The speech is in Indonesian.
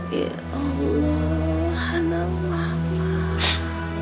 ya allah allah allah